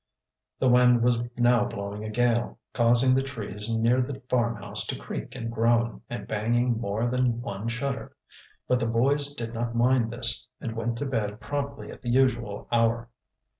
The wind was now blowing a gale, causing the trees near the farmhouse to creak and groan, and banging more than one shutter. But the boys did not mind this, and went to bed promptly at the usual hour.